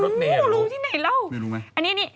รุงที่ไหนเหล่า